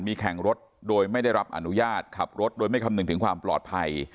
มีแข่งรถโดยไม่ได้รับอนุญาตขับรถโดยไม่คำนึงถึงความปลอดภัย